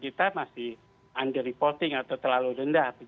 kita masih under reporting atau terlalu rendah